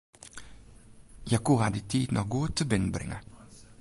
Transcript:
Hja koe har dy tiid noch goed tebinnenbringe.